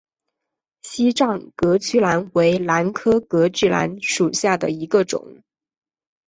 西藏隔距兰为兰科隔距兰属下的一个种。